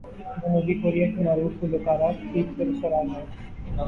جنوبی کوریا کی معروف گلوکارہ کی پر اسرار موت